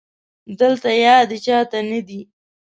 دلته يادې چا ته نه دي